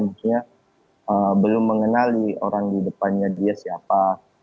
maksudnya belum mengenali orang di depannya dia siapa